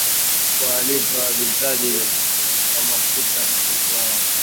kuwalipa waagizaji wa mafuta ruzuku yao